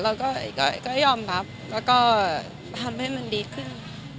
แล้วก็ยอมรับแล้วก็ทำให้มันดีขึ้น